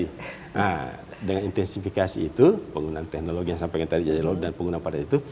nah dengan intensifikasi itu penggunaan teknologi yang sampai tadi jadwal dan penggunaan pada itu